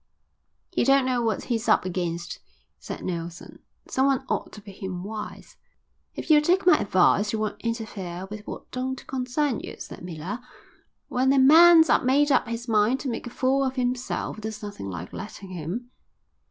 "He don't know what he's up against," said Nelson. "Someone ought to put him wise." "If you'll take my advice you won't interfere in what don't concern you," said Miller. "When a man's made up his mind to make a fool of himself, there's nothing like letting him."